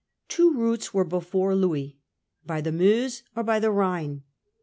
Two routes were before Louis— by the Meuse or by the Rhine.